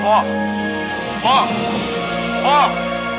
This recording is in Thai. พ่อก็จะทำไปแล้ว